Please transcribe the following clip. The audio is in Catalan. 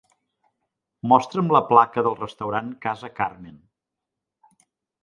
Mostra'm la placa del restaurant Casa Carmen.